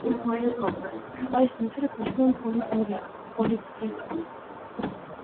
Այս նյութերը կոչվում են պոլիբյուրեղ (պոլիկրիստալ)։